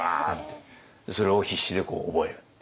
それを必死でこう覚えるっていう。